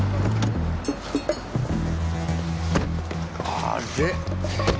あれ。